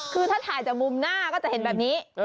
คือถ้าถ่ายจากมุมหน้าก็จะเห็นแบบนี้